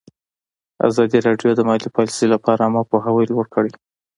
ازادي راډیو د مالي پالیسي لپاره عامه پوهاوي لوړ کړی.